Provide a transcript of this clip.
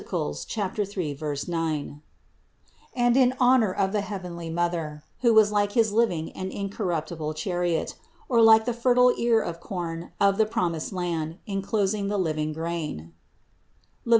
3, 9) ; and in honor of the heavenly Mother, who was like his living and incorruptible chariot, or like the fertile ear of corn of the promised land, enclosing the living grain (Lev.